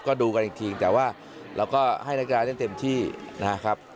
ก็ดูกันอีกทีแต่ว่าเราก็ให้นักกีฬาเล่นเต็มที่นะครับ